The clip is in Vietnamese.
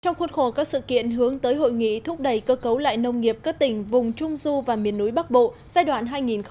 trong khuôn khổ các sự kiện hướng tới hội nghị thúc đẩy cơ cấu lại nông nghiệp các tỉnh vùng trung du và miền núi bắc bộ giai đoạn hai nghìn một mươi sáu hai nghìn hai mươi